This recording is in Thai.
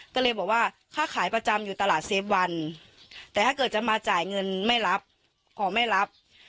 ก็เลยบอกว่าค่าขายประจำอยู่ตลาดเซฟวันแต่ถ้าเกิดจะมาจ่ายเงินไม่รับขอไม่รับ